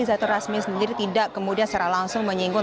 zatul rasmi sendiri tidak kemudian secara langsung menyinggung